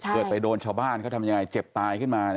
เกิดไปโดนชาวบ้านเขาทำยังไงเจ็บตายขึ้นมา